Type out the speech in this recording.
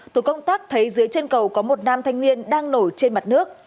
tổ công tác thấy dưới chân cầu có một nam thanh niên đang nổi trên mặt nước